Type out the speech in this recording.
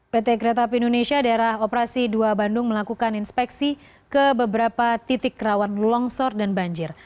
pt kereta api indonesia daerah operasi dua bandung melakukan inspeksi ke beberapa titik rawan longsor dan banjir